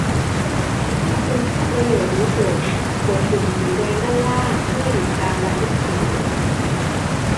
ถ้าคุณพูดประโยคนี้จบ กดปุ่มสีแดงด้านล่างเพื่อหยุดการบันทึกเสียง